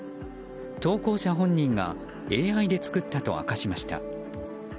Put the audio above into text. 投稿者本人がＡＩで作ったと明かしました。